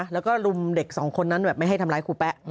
แล้วก็รุมเด็กสองคนนั้นแบบไม่ให้ทำร้ายครูแป๊ะ